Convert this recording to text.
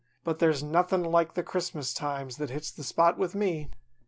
But there's nothin' like the Christmas times that hits the spot with me.